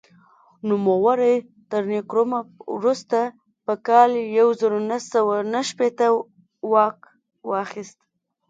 نوموړي تر نکرومه وروسته په کال یو زر نهه سوه نهه شپېته واک واخیست.